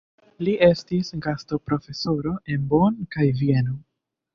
Li estis gastoprofesoro en Bonn kaj Vieno.